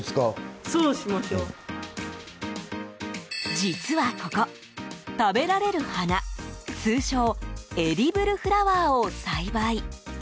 実はここ、食べられる花通称エディブルフラワーを栽培。